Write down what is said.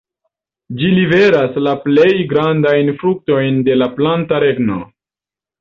Ĝi liveras la plej grandajn fruktojn de la planta regno.